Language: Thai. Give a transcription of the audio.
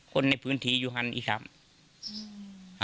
คนในพื้นที่อยู่ฮันอีคัม